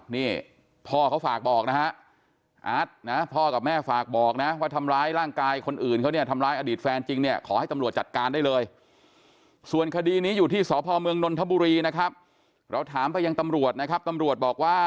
นี่พ่อเขาฝากบอกนะครับ